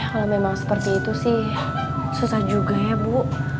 kalau memang seperti itu sih susah juga ya bu